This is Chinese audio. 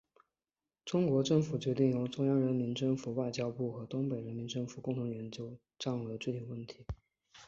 中国政府决定由中央人民政府外交部和东北人民政府共同研究接受战俘的具体问题。